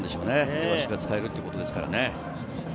両足が使えるってことですからね。